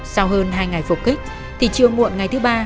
sau hơn hai ngày phục kích thì trưa muộn ngày thứ ba